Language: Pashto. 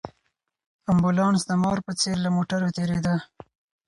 امبولانس د مار په څېر له موټرو تېرېده.